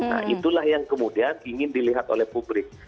nah itulah yang kemudian ingin dilihat oleh publik